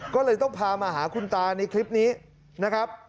ก็เลยต้องพามาหาคุณตาในคลิปนี้นะครับ